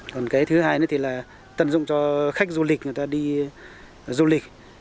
còn cái thứ hai nữa thì là tận dụng cho khách du lịch người ta đi du lịch